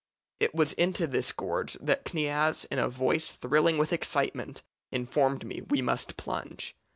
"It was into this gorge that Kniaz in a voice thrilling with excitement informed me we must plunge.